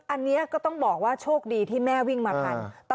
อันนี้ก็ต้องบอกว่าโชคดีที่แม่วิ่งมาทัน